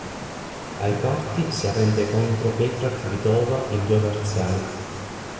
Ai quarti si arrende contro Petra Kvitová in due parziali.